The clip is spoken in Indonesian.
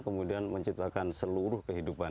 kemudian menciptakan seluruh kehidupan